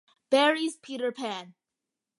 Barrie's "Peter Pan".